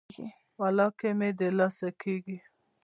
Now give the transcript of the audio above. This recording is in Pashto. ولاکه مې د لاسه کیږي.